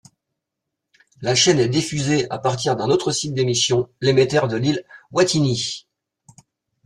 La chaine est diffusée à partir d'un autre site d'émission, l'émetteur de Lille-Wattignies.